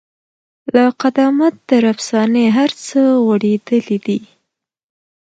له قدامت تر افسانې هر څه غوړېدلي دي.